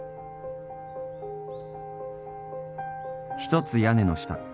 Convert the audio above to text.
［一つ屋根の下